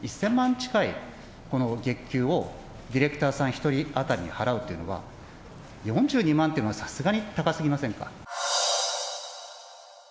近いこの月給を、ディレクターさん１人当たりに払うというのは、４２万っていうのはさすがに高すぎませんか。